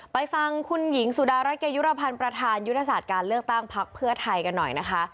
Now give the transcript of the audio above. ไปฟังคุณหญิงสุดารัฐเกยุรพันธ์ประธานยุทธศาสตร์การเลือกตั้งพักเพื่อไทยกันหน่อยนะคะ